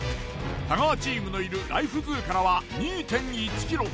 太川チームのいるライフズーからは２．１ｋｍ。